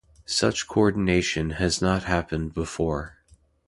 Such coordination has not happened before.